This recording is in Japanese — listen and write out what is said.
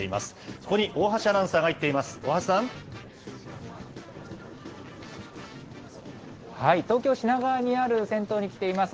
そこに大橋アナウンサーが行っています。